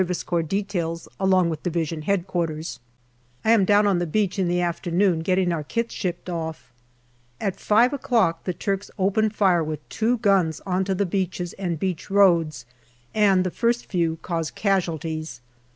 C. details along with D.H.Q. I am down on the beach in the afternoon getting our kits shipped off. At five o'clock the Turks open fire with two guns on to the beaches and beach roads, and the first few cause casualties.